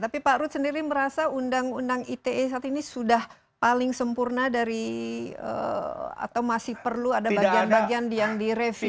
tapi pak ruth sendiri merasa undang undang ite saat ini sudah paling sempurna dari atau masih perlu ada bagian bagian yang direvisi